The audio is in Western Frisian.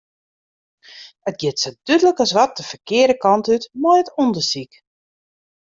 It giet sa dúdlik as wat de ferkearde kant út mei it ûndersyk.